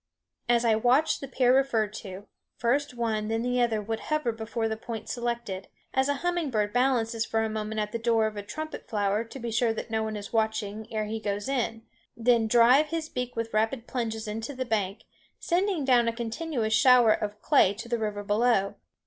As I watched the pair referred to, first one then the other would hover before the point selected, as a hummingbird balances for a moment at the door of a trumpet flower to be sure that no one is watching ere he goes in, then drive his beak with rapid plunges into the bank, sending down a continuous shower of clay to the river below.